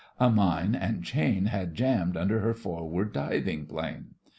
A mine and chain had jammed under her forward diving plane.